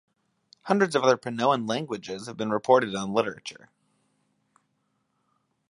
Hundreds of other Panoan "languages" have been reported in the literature.